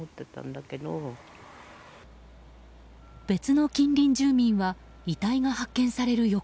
別の近隣住民は遺体が発見される